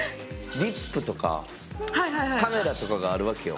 リップとかカメラとかがあるわけよ。